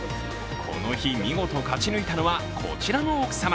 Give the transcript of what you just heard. この日、見事勝ち抜いたのは、こちらの奥様。